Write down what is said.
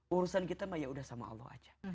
urusan kita mah yaudah sama allah aja